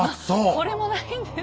これもないんですか？